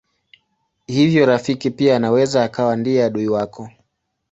Hivyo rafiki pia anaweza akawa ndiye adui wako.